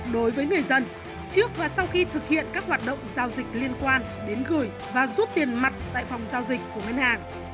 đối với người dân trước và sau khi thực hiện các hoạt động giao dịch liên quan đến gửi và rút tiền mặt tại phòng giao dịch của ngân hàng